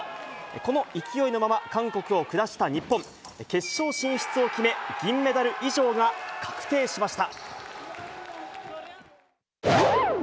この勢いのまま韓国を下した日本、決勝進出を決め、銀メダル以上が確定しました。